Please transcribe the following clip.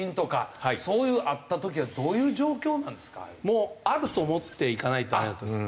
もうあると思っていかないとダメだと思います。